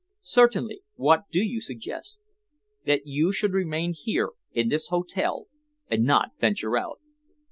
"Certainly. What do you suggest?" "That you should remain here, in this hotel, and not venture out."